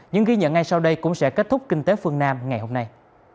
những ghi nhận ngay sau đây cũng sẽ kết thúc kinh tế phương nam ngày hôm nay